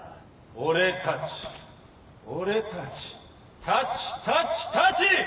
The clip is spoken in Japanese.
俺たち俺たちたちたちたち！